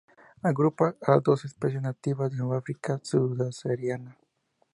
Agrupa a dos especies nativas de África subsahariana.